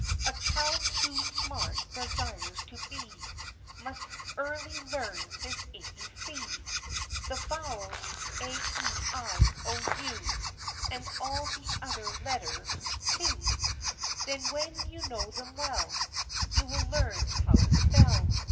A child who smart desires to be, Must early learn his ABC, The vowels — a, e, i, o, u — And all the other letters, too. 32 THE LIFE AND ADVENTURES Then, when you know them well, You will learn how to spell.